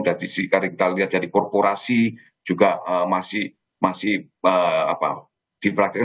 dari kita lihat jadi korporasi juga masih diperhatikan